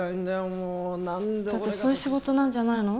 もうだってそういう仕事なんじゃないの？